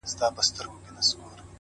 حالاتو دومره محبت کي راگير کړی يمه”